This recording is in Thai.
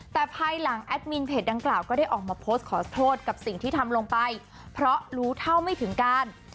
แต่ภายหลังแอดมินเพจดังกล่าวก็ได้ออกมาโพสต์ขอโทษกับสิ่งที่ทำลงไปเพราะรู้เท่าไม่ถึงการ